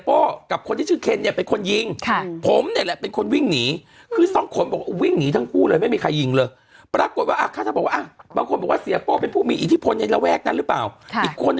พรุ่งนี้คุณจะรอยกะทงกับเขาไม่ได้ล่ะห้ามั้ยรอย